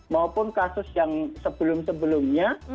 maupun kasus yang sebelum sebelumnya